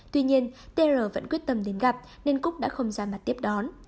tuy nhiên tr vẫn quyết tâm đến gặp nên cúc đã không ra mặt tiếp đón